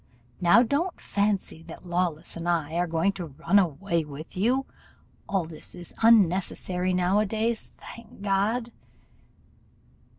Now don't fancy that Lawless and I are going to run away with you. All this is unnecessary now a days, thank God!